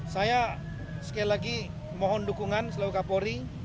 saya sekali lagi mohon dukungan selalu kapolri